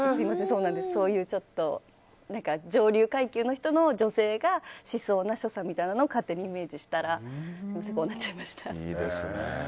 そういう上流階級の人の女性がしそうな所作みたいなものを勝手にイメージしたらこうなっちゃいました。